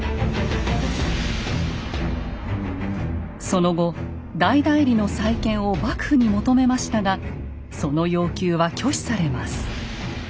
その後大内裏の再建を幕府に求めましたがその要求は拒否されます。